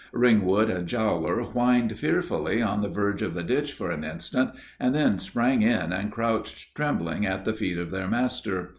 Ringwood and Jowler whined fearfully on the verge of the ditch for an instant, and then sprang in and crouched trembling at the feet of their master.